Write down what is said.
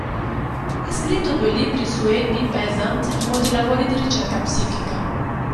Ha scritto due libri su Annie Besant e molti lavori di ricerca psichica.